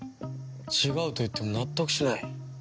違うと言っても納得しない。